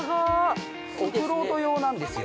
◆オフロード用なんですよ。